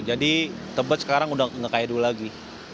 jadi tebet sekarang udah ngekaya dua lagi